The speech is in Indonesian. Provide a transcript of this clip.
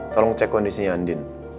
tolong cek kondisinya andien